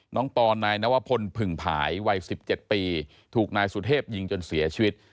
ปอนนายนวพลผึ่งผายวัย๑๗ปีถูกนายสุเทพยิงจนเสียชีวิต